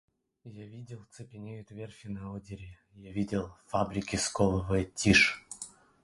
Я видел — цепенеют верфи на Одере, я видел — фабрики сковывает тишь.